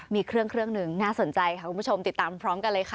มีเครื่องเครื่องหนึ่งน่าสนใจค่ะคุณผู้ชมติดตามพร้อมกันเลยค่ะ